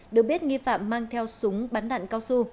được biết nghi phạm mang theo súng bắn đạn cao su